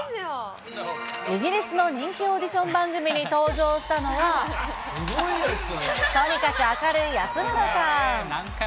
イギリスの人気オーディション番組に登場したのは、とにかく明るい安村さん。